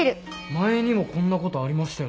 前にもこんなことありましたよね？